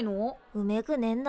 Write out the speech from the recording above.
うめくねんだ。